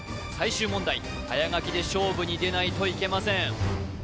最終問題早書きで勝負に出ないといけません